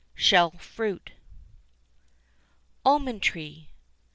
SHELL FRUIT. ALMOND TREE.